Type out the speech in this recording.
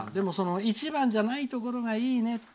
１番じゃないところがいいね。